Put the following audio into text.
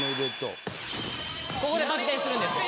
ここでバク転するんですよ。